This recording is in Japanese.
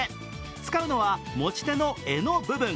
使うのは持ち手の柄の部分。